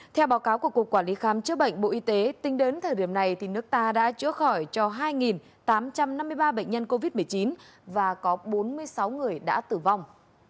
theo báo cáo của cục quản lý khám chữa bệnh bộ y tế tính đến thời điểm này nước ta đã chữa khỏi cho hai tám trăm năm mươi ba bệnh nhân covid một mươi chín và có bốn mươi sáu người đã tử vong